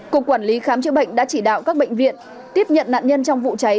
cục quản lý khám chữa bệnh đã chỉ đạo các bệnh viện tiếp nhận nạn nhân trong vụ cháy